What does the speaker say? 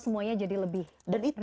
semuanya jadi lebih ringan